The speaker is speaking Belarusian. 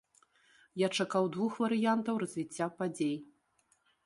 Я чакаў двух варыянтаў развіцця падзей.